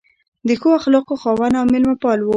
د ښو اخلاقو خاوند او مېلمه پال و.